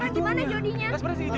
jadi sekarang gimana jody nya